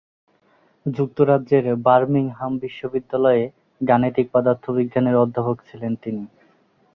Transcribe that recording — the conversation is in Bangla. যুক্তরাজ্যের বার্মিংহাম বিশ্ববিদ্যালয়ে গাণিতিক পদার্থবিজ্ঞানের অধ্যাপক ছিলেন তিনি।